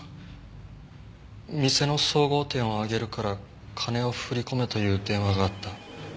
「店の総合点を上げるから金を振り込めという電話があった」。